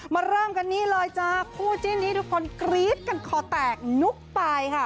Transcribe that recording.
เริ่มกันนี่เลยจ้าคู่จิ้นนี้ทุกคนกรี๊ดกันคอแตกลุกไปค่ะ